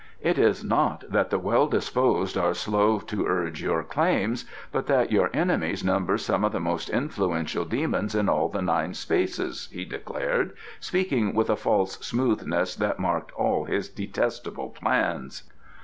"It is not that the well disposed are slow to urge your claims, but that your enemies number some of the most influential demons in all the Nine Spaces," he declared, speaking with a false smoothness that marked all his detestable plans.